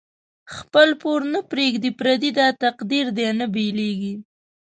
خپل پور نه پریږدی پردی، داتقدیر دی نه بیلیږی